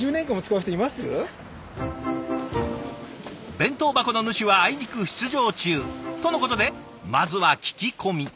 弁当箱の主はあいにく出場中とのことでまずは聞き込み。